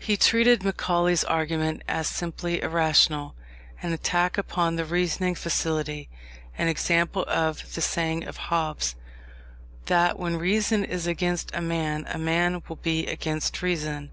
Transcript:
He treated Macaulay's argument as simply irrational; an attack upon the reasoning faculty; an example of the saying of Hobbes, that When reason is against a man, a man will be against reason.